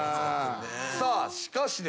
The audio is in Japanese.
さあしかし